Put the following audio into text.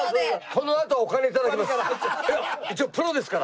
このあとはお金頂きます。